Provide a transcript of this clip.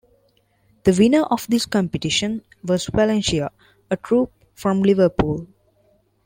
The winner of this competition was Valencia, a troupe from Liverpool.